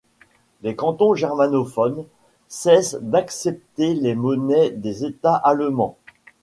Les cantons germanophones cessent d'accepter les monnaies des États allemands.